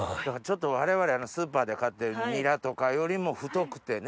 ちょっと我々スーパーで買ってるニラとかよりも太くてね。